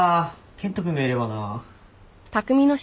健人君がいればな。